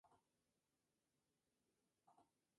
La capital de la provincia es la ciudad de San Miguel.